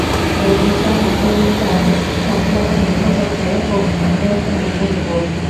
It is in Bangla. এই বিশাল মডিউলটার সফলতা নির্ভর করছে কোরের ঘনত্বের উপর।